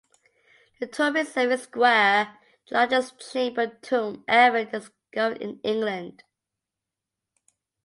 The tomb itself is square, the largest chambered tomb ever discovered in England.